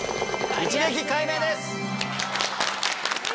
一撃解明です！